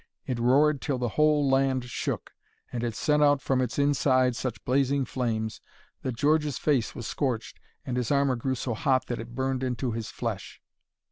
It roared till the whole land shook, and it sent out from its inside such blazing flames that George's face was scorched and his armour grew so hot that it burned into his flesh.